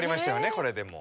これでもう。